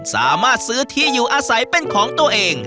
สามารถซื้อที่อยู่อาศัยเป็นของตัวเอง